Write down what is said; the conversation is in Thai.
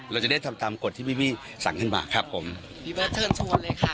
เราจะได้ทำตามกฎที่พี่สั่งขึ้นมาครับผมพี่เบิร์ดเชิญชวนเลยค่ะ